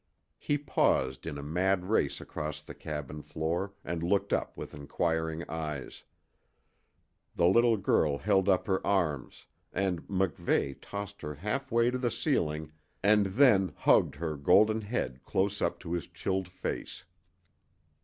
He paused in a mad race across the cabin floor and looked up with inquiring eyes. The little girl held up her arms, and MacVeigh tossed her half way to the ceiling and then hugged her golden head close up to his chilled face.